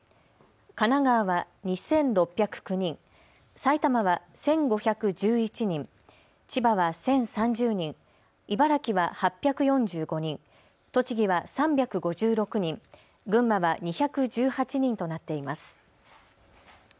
神奈川は２６０９人、埼玉は１５１１人、千葉は１０３０人、茨城は８４５人、栃木は３５６人、群馬は２１８人となっています。